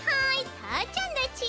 たーちゃんだち！